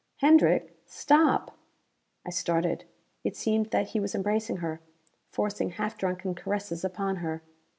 ... Hendrick, stop!" I started. It seemed that he was embracing her; forcing half drunken caresses upon her.